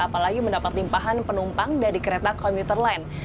apalagi mendapat limpahan penumpang dari kereta komuter lain